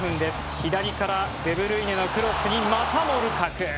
左からデブルイネのクロスにまたもルカク。